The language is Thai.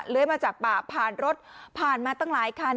มาจากป่าผ่านรถผ่านมาตั้งหลายคัน